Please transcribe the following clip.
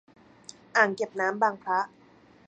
อ่างเก็บน้ำบางพระ.